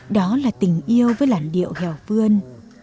đó là tình yêu với làn điệu hèo phương